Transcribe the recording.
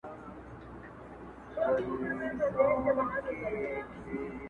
دا بهار، او لاله زار، او ګلشن زما دی٫